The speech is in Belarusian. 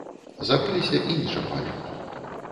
Забыліся і не чапалі.